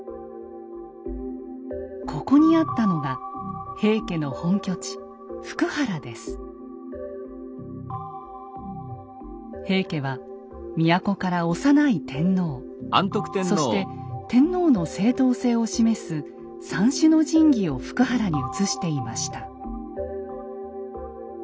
ここにあったのが平家は都から幼い天皇そして天皇の正統性を示す三種の神器を福原に移していました。